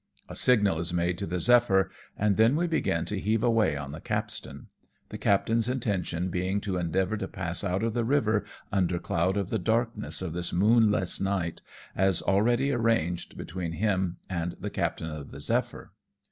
A signal is made to the Zephyr, and then we begin to heave away on the capstan ; the captain's intention being to endeavour to pass out of the river under cloud of the darkness of this moonless night, as already arranged between him and the captain of the Zepliyr.